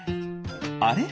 あれ？